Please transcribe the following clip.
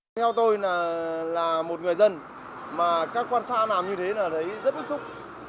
theo tôi là một người dân mà các quan sát làm như thế là thấy rất bức xúc